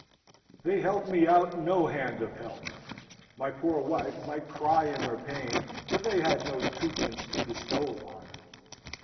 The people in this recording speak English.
They held me out no hand of help. My poor wife might cry in her pain, but they had no twopence to bestow upon her.